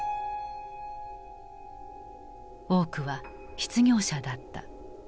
多くは失業者だった。